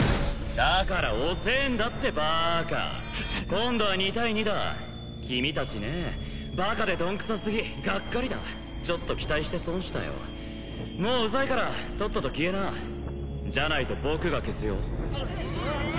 だから遅えんだってバーカ今度は２対２だ君達ねえバカでドンくさすぎがっかりだちょっと期待して損したよもうウザいからとっとと消えなじゃないと僕が消すよ・何？